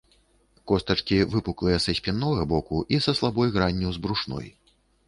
Костачкі выпуклыя са спіннога боку і са слабай гранню з брушной.